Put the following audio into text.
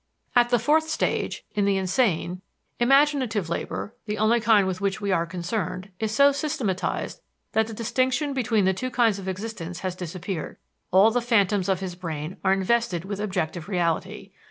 At the fourth stage, in the insane, imaginative labor the only kind with which we are concerned is so systematized that the distinction between the two kinds of existence has disappeared. All the phantoms of his brain are invested with objective reality.